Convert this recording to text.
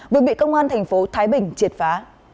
vừa bị công an thành phố thái bình triệt phá